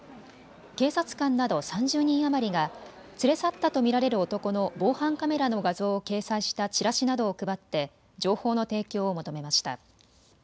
警察官など３０人余りが連れ去ったと見られる男の防犯カメラの画像を掲載したチラシなどを配って情報の提供を求めました。